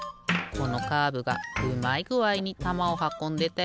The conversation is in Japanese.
このカーブがうまいぐあいにたまをはこんでたよね。